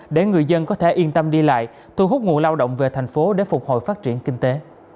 để người dân có thể yên tâm đi lại thu hút nguồn lao động về thành phố để phục hồi phát triển kinh tế